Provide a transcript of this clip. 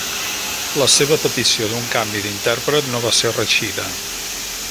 La seva petició d'un canvi d'intèrpret no va ser reeixida.